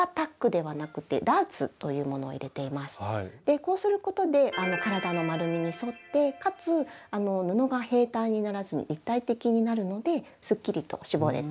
こうすることで体の丸みに沿ってかつ布が平たんにならずに立体的になるのですっきりと絞れたシルエットになります。